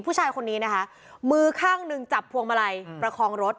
ผู้ชายคนนี้นะคะมือข้างหนึ่งจับพวงมาลัยประคองรถ